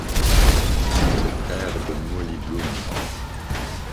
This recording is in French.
Il est le frère de Molly Bloom.